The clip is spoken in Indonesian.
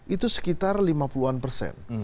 itu sekitar lima puluh an persen